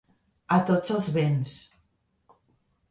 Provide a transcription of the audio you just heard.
A tots els vents.